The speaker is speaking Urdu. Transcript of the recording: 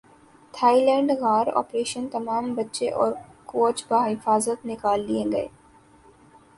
تھائی لینڈ غار اپریشن تمام بچے اور کوچ بحفاظت نکال لئے گئے